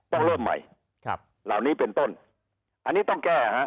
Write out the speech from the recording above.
ต้องเริ่มใหม่ครับเหล่านี้เป็นต้นอันนี้ต้องแก้ฮะ